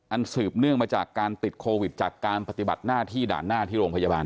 สืบเนื่องมาจากการติดโควิดจากการปฏิบัติหน้าที่ด่านหน้าที่โรงพยาบาล